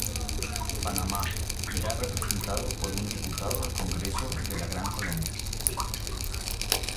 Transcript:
Panamá, iría representado por un diputado al Congreso de la Gran Colombia.